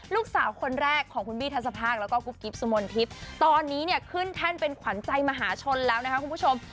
ลูกสาวคนแรกของคุณบี้ทัศภาคแล้วก็กุ๊บกิ๊บสุมนทิพย์ตอนนี้เนี่ยขึ้นแท่นเป็นขวัญใจมหาชนแล้วนะคะคุณผู้ชม